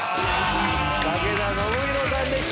武田修宏さんでした。